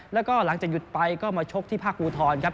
แล้วก็หลังจากหยุดไปก็มาชกที่ภาคอูทรครับ